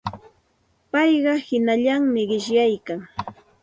Payqa hinallami qishyaykan.